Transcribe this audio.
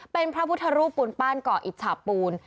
เป็นพระพุทธรูปปูนปั้นเกาะอิจฉาปูน